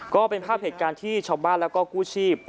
ก็เป็นภาพเหตุการณ์ที่ชาวบ้านแล้วก็กู้ชีพ